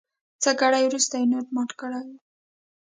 څه ګړی وروسته نوټ مات کړی و.